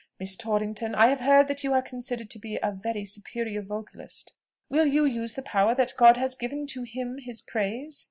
Miss Torrington, I have heard that you are considered to be a very superior vocalist: will you use the power that God has given, to hymn his praise?"